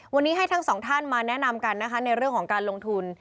วันนี้ให้ทั้งสองท่านมาแนะนำกันนะคะในเรื่องของการลงทุน